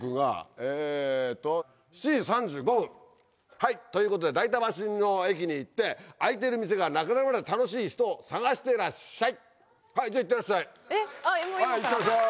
はいということで代田橋の駅に行って開いてる店がなくなるまで楽しい人を探してらっしゃい。